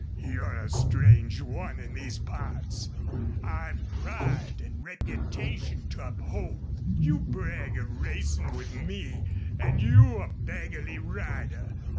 You're a strange one in these parts. I've pride an' reputation to uphold. You brag of racin' with me an' you a beggarly rider!